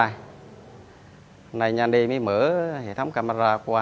hôm nay anh đi mới mở hệ thống camera qua